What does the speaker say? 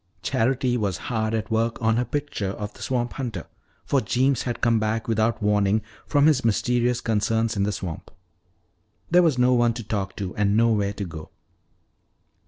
Charity was hard at work on her picture of the swamp hunter, for Jeems had come back without warning from his mysterious concerns in the swamp. There was no one to talk to and nowhere to go.